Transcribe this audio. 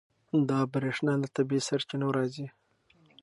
دا برېښنا له طبیعي سرچینو راځي.